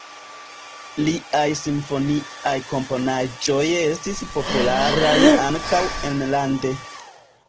Liaj simfoniaj komponaĵoj estis popularaj ankaŭ enlande.